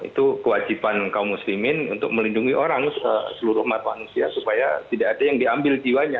itu kewajiban kaum muslimin untuk melindungi orang seluruh umat manusia supaya tidak ada yang diambil jiwanya